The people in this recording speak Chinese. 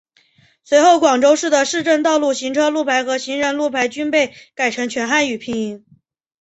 随后广州市的市政道路行车路牌和行人路牌均被改成全汉语拼音。